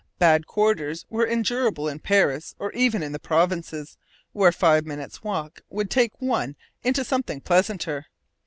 Bad quarters were endurable in Paris or even in the provinces, where five minutes' walk would take one into something pleasanter.